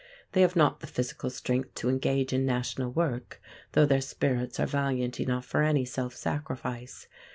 They have not the physical strength to engage in national work, though their spirits are valiant enough for any self sacrifice.